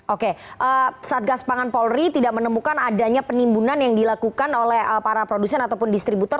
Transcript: oke satgas pangan polri tidak menemukan adanya penimbunan yang dilakukan oleh para produsen ataupun distributor